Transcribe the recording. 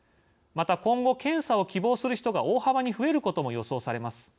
また今後、検査を希望する人が大幅に増えることも予想されます。